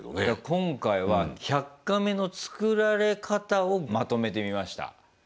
今回は「１００カメ」の作られ方をまとめてみました。